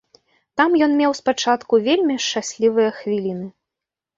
Там ён меў спачатку вельмі шчаслівыя хвіліны.